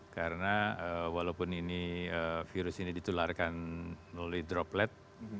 karena walaupun virus ini ditularkan melalui droplet